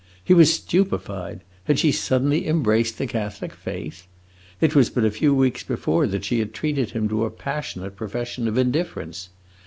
He was stupefied: had she suddenly embraced the Catholic faith? It was but a few weeks before that she had treated him to a passionate profession of indifference.